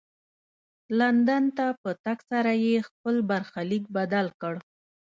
لندن ته په تګ سره یې خپل برخلیک بدل کړ.